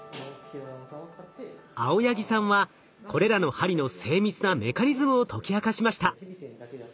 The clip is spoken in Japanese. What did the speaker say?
青柳さんはこれらの針の精密なメカニズムを解き明かしました。